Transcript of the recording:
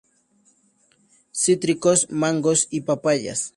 Cítricos, mangos y papayas.